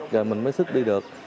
rồi mình mới xuất đi được